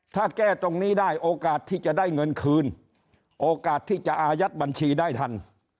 ถ้าแก้ตรงนี้ได้โอกาสที่จะได้เงินคืนโอกาสที่จะอายัดบัญชีได้ทัน